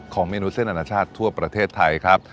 เมนูเส้นอนาชาติทั่วประเทศไทยครับ